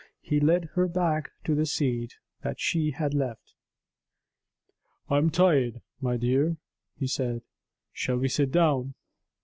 He led her back to the seat that she had left. "I'm tired, my dear," he said. "Shall we sit down?"